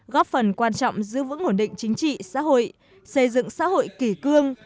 góp phần quan trọng giữ vững ổn định chính trị xã hội xây dựng xã hội kỷ cương